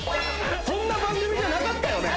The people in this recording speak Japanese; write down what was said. そんな番組じゃなかったよね？